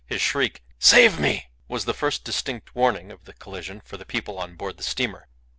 His shriek, "Save me!" was the first distinct warning of the collision for the people on board the steamer.